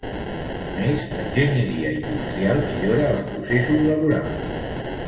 A més, l'enginyeria industrial millora els processos laborals.